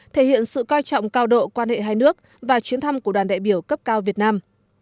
thể hiện sự coi trọng cao độ quan hệ hai nước và chuyến thăm của đoàn đại biểu cấp cao việt nam